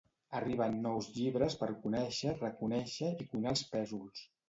Arriben nous llibres per conèixer, reconèixer i cuinar els pèsols.